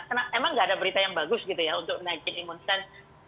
emang nggak ada berita yang bagus gitu ya untuk menaiki imun stand